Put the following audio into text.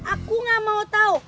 aku gak mau tau